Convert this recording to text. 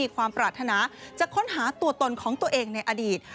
ความปรารถนาจะค้นหาตัวตนของตัวเองในอดีต